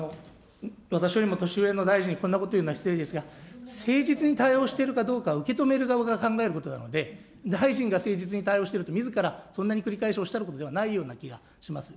私よりも年上の大臣にこんなこと言うのは失礼ですが、誠実に対応しているかどうか、受け止める側が考えることなので、大臣が誠実に対応しているとみずからそんなに繰り返しおっしゃることではないような気がします。